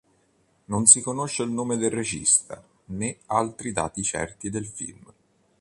Non si conosce il nome del regista, né altri dati certi del film.